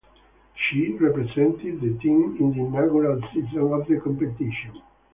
She represented the team in the inaugural season of the competition.